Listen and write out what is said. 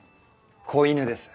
子犬です。